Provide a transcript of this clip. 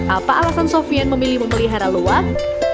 apa alasan sofian memilih memelihara luang